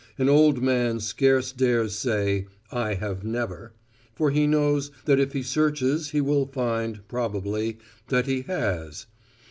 An old man scarce dares say, "I have never," for he knows that if he searches he will find, probably, that he has.